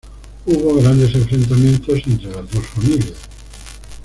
Hubo grandes enfrentamientos entre las dos familias.